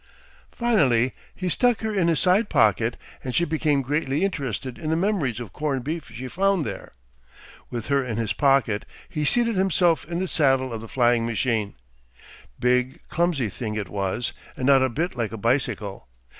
Finally he stuck her in his side pocket and she became greatly interested in the memories of corned beef she found there. With her in his pocket, he seated himself in the saddle of the flying machine. Big, clumsy thing it was and not a bit like a bicycle.